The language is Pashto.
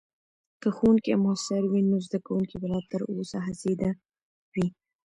که ښوونکې مؤثرې وي، نو زدکونکي به لا تر اوسه هڅیده وي.